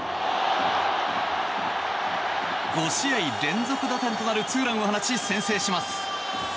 ５試合連続打点となるツーランを放ち先制します。